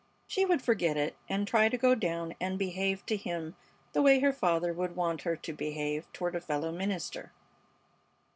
She would forget it and try to go down and behave to him the way her father would want her to behave toward a fellow minister.